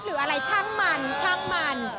หรืออะไรช่างมันช่างมัน